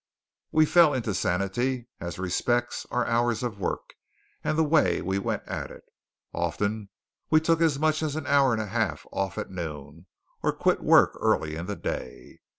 We fell into sanity as respects our hours of work and the way we went at it. Often we took as much as an hour and a half off at noon; or quit work early in the day.